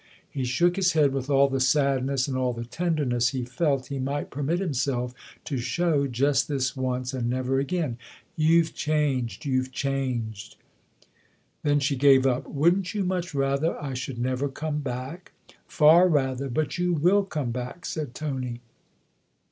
He shook his head with all the sadness and all the tenderness he felt he might permit himself to show just this once and never again. " You've changed you've changed." Then she gave up. " Wouldn't you much rather I should never come back ?"" Far rather. But you will come back," said Tony.